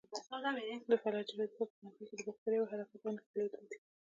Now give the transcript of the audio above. د فلاجیل وظیفه په ناحیه کې د باکتریاوو حرکت او نښلیدل دي.